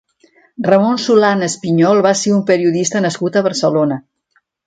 Ramon Solanes Pinyol va ser un periodista nascut a Barcelona.